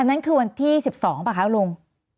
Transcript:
นั่นคือวันที่๑๒ป่ะคะลุง